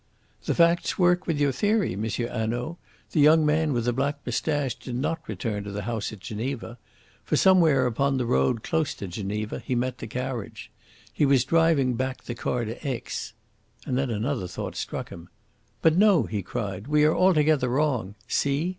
"The facts work with your theory, M. Hanaud. The young man with the black moustache did not return to the house at Geneva. For somewhere upon the road close to Geneva he met the carriage. He was driving back the car to Aix " And then another thought struck him: "But no!" he cried. "We are altogether wrong. See!